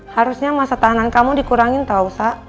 harusnya masa tahanan kamu dikurangin tau sa